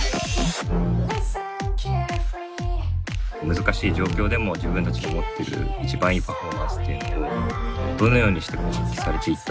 難しい状況でも自分たちが持ってる一番いいパフォーマンスっていうのをどのようにして発揮されていったのかな。